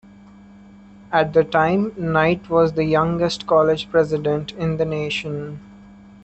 At the time, Knight was the youngest college president in the nation.